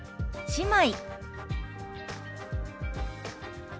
「姉妹」。